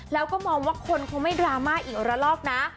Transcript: แล้วก็มองว่าคนคงไม่ดราม่าอีกระลอกนะ